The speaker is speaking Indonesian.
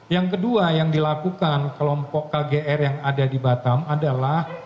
yang kedua yang dilakukan kelompok kgr yang ada di batam adalah